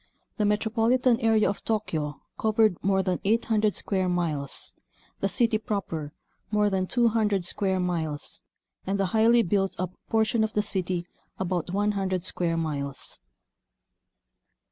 The metropolitan area of Tokyo covered more than 800 square miles; the city proper, more than 200 square miles ; and the highly built up portion of the city, about 100 square miles.